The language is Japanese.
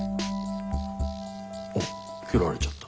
あっ切られちゃった。